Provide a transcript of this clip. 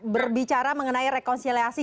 berbicara mengenai rekonsiliasi